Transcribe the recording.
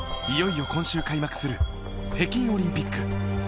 いよいよ今週開幕する北京オリンピック。